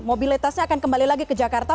mobilitasnya akan kembali lagi ke jakarta